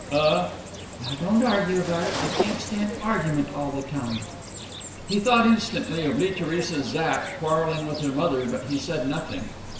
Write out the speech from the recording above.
"Uh—" "Now don't argue about it. I can't stand argument all the time." He thought instantly of Lee Theresa Zapp quarreling with her mother, but he said nothing.